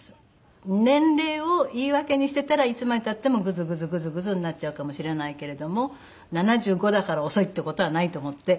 年齢を言い訳にしてたらいつまで経ってもグズグズグズグズになっちゃうかもしれないけれども７５だから遅いって事はないと思って。